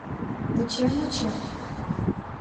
Вучем-вучем...